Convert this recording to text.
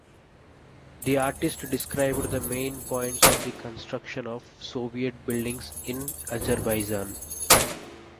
The artist described the main points of the construction of Soviet buildings in Azerbaijan.